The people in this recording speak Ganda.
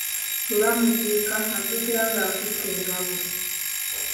Bwe bamuziika azuukira ng'akutte engabo.